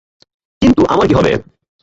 কিন্তু আমার কী হবে?